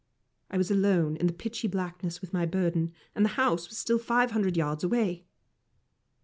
I was alone in the pitchy blackness with my burden, and the house was five hundred yards away.